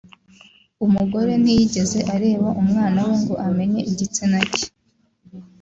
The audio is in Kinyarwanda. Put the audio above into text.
“Umugore ntiyigeze areba umwana we ngo amenye igitsina cye